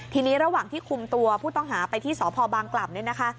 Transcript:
ทีนี้ระหว่างที่คุมตัวผู้ต้องหาไปที่สพบางกล่ำเนี่ยนะคะ